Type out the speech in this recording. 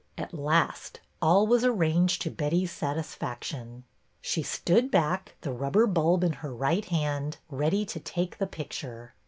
At last all was arranged to Betty's satisfaction. She stood back, the rubber bulb in her right hand, ready to take the picture.